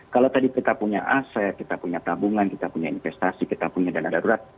kalau tadi kita punya aset kita punya tabungan kita punya investasi kita punya dana darurat